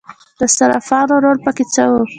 د صرافانو رول پکې څه و؟